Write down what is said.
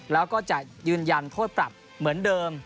แล้วก็จะยืนยันโทษปรับเหมือนเดิม